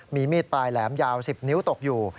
มีมีดปลายแหลมยาว๑๐นิ้วตกอยู่